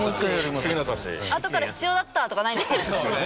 あとから必要だった！とかないんですかね。